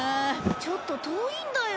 ちょっと遠いんだよ。